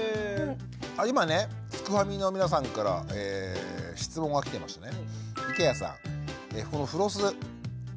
今ねすくファミの皆さんから質問が来てましてね。